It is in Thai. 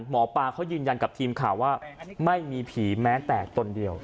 หมอปลาเขายืนยันกับทีมข่าวว่าไม่มีผีแม้แต่ตนเดียว